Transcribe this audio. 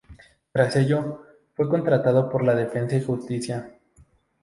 Tras ello, fue contratado por Defensa y Justicia.